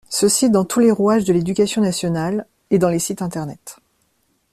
Ceci dans tous les rouages de l’Éducation Nationale, et dans les sites internet.